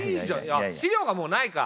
あ資料がもうないか。